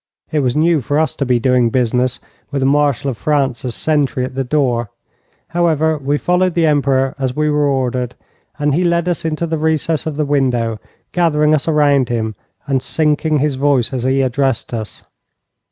It was new for us to be doing business, with a Marshal of France as sentry at the door. However, we followed the Emperor as we were ordered, and he led us into the recess of the window, gathering us around him and sinking his voice as he addressed us.